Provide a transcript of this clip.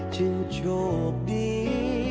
จึงโชคดี